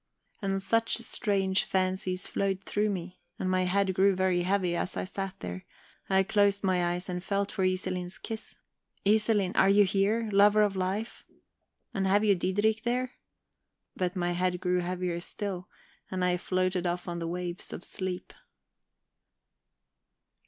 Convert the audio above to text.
And such strange fancies flowed through me, and my head grew very heavy as I sat there; I closed my eyes and felt for Iselin's kiss. Iselin, are you here, lover of life? And have you Diderik there? ... But my head grew heavier still, and I floated off on the waves of sleep.